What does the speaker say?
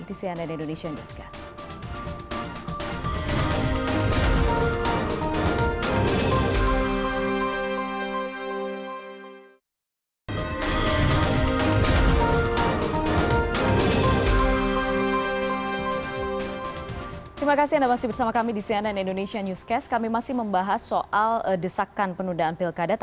di sianan indonesia newscast